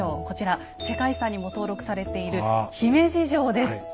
こちら世界遺産にも登録されている姫路城です。